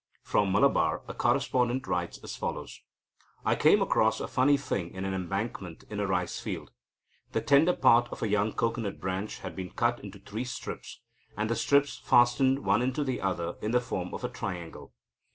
From Malabar, a correspondent writes as follows: "I came across a funny thing in an embankment in a rice field. The tender part of a young cocoanut branch had been cut into three strips, and the strips fastened one into the other in the form of a triangle.